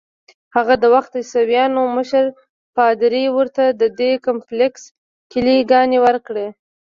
هغه وخت د عیسویانو مشر پادري ورته ددې کمپلیکس کیلې ګانې ورکړې.